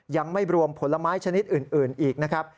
ยังไม่รวมผลไม้ชนิดอื่นอีกนะครับ